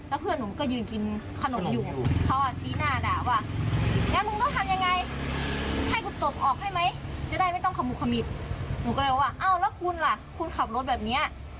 หนูก็เลยว่าอ้าวแล้วคุณล่ะคุณขับรถแบบนี้